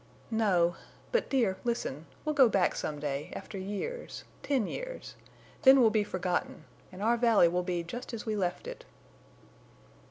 "No. But, dear, listen. Well go back some day, after years—ten years. Then we'll be forgotten. And our valley will be just as we left it."